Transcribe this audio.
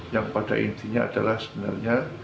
yang pada intinya adalah sebenarnya